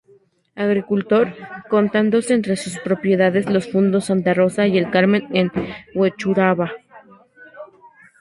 Agricultor, contándose entre sus propiedades los fundos Santa Rosa y El Carmen en Huechuraba.